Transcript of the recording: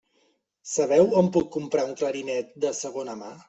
Sabeu on puc comprar un clarinet de segona mà?